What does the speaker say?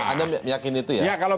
anda yakin itu ya ya kalau